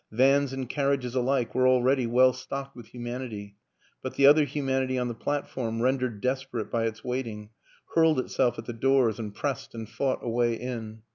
Vans and carnages alike were already well stocked with humanity; but the other humanity on the plat form, rendered desperate by its waiting, hurled itself at the doors and pressed and fought a way in.